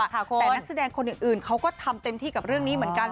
แต่นักแสดงคนอื่นเขาก็ทำเต็มที่กับเรื่องนี้เหมือนกัน